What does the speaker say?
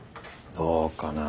どうかな？